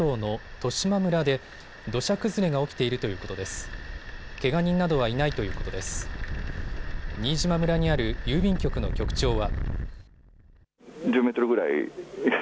新島村にある郵便局の局長は。